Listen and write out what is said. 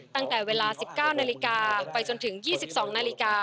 ตั้งแต่เวลา๑๙นาฬิกาไปจนถึง๒๒นาฬิกา